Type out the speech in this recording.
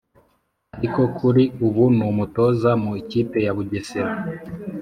ariko kuri ubu n’umutoza mu ikipe ya bugesera